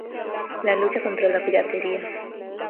La lucha contra la piratería.